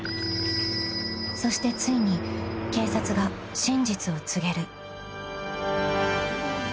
［そしてついに警察が真実を告げる］